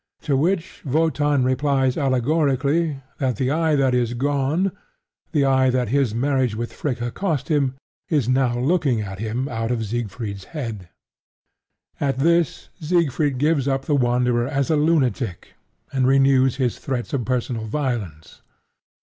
To which Wotan replies allegorically that the eye that is gone the eye that his marriage with Fricka cost him is now looking at him out of Siegfried's head. At this, Siegfried gives up the Wanderer as a lunatic, and renews his threats of personal violence.